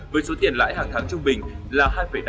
với số tiền lãi hàng tháng trung bình là hai năm